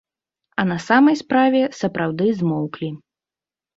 А на самай справе, сапраўды змоўклі.